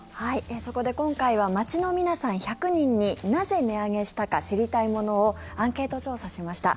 そこで今回は街の皆さん１００人になぜ値上げしたか知りたいものをアンケート調査しました。